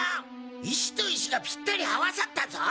石と石がピッタリ合わさったぞ！